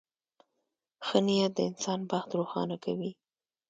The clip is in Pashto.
• ښه نیت د انسان بخت روښانه کوي.